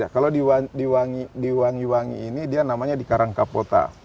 kalau di wangi wangi ini dia namanya di karang ka pota